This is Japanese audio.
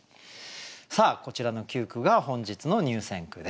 さあこちらの９句が本日の入選句です。